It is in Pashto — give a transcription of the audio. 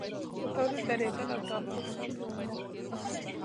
د تولید درېدل او توقف هم یوه نښه ده